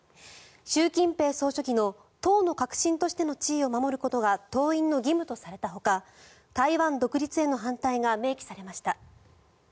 習近平総書記の党の核心としての地位を守ることが党員の義務とされたほか台湾独立への反対が明記されました。